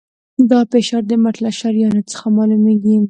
دا فشار د مټ له شریان څخه معلومېږي.